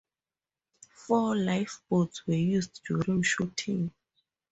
Four lifeboats were used during shooting.